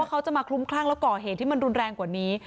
เขาจะมาคลุ้มคลั่งแล้วก่อเหตุที่มันรุนแรงกว่านี้